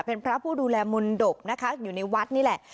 เป็นพระผู้ดูแลมนตบนะคะอยู่ในวัดนี่แหละ